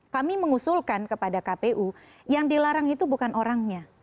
kami mengusulkan kepada kpu yang dilarang itu bukan orangnya